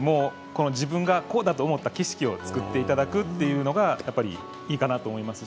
自分はこうだと思った景色を作っていただくのがいいかなと思います。